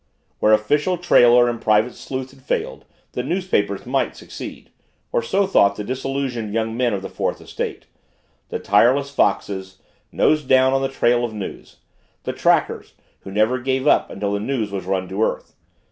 Where official trailer and private sleuth had failed, the newspapers might succeed or so thought the disillusioned young men of the Fourth Estate the tireless foxes, nose down on the trail of news the trackers, who never gave up until that news was run to earth.